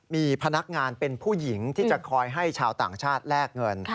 มีพนักงานเป็นผู้หญิงที่จะคอยให้ชาวต่างชาติแลกเงิน